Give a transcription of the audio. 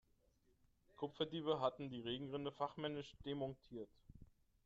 Kupferdiebe hatten die Regenrinne fachmännisch demontiert.